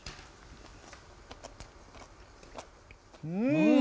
うん！